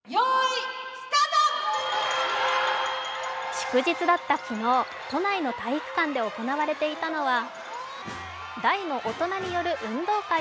祝日だった昨日、都内の体育館で行われていたのは大の大人による運動会。